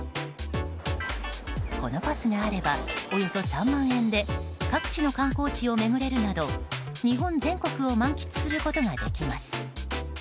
このパスがあればおよそ３万円で各地の観光地を巡れるなど日本全国を満喫することができます。